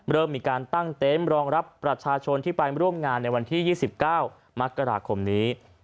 เริ่มมีการตั้งเต็นต์รองรับประชาชนที่ไปร่วมงานในวันที่๒๙มกราคมนี้